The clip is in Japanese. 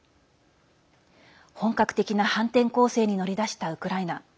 本格的な反転攻勢に乗り出したウクライナ。